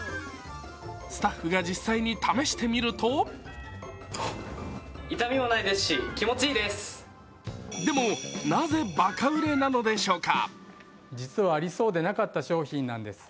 スタッフが実際に試してみるとでも、なぜバカ売れなのでしょうか。